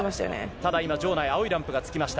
ただいま、場内、青いランプがつきました。